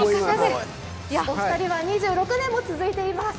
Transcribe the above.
お二人は２６年も続いています。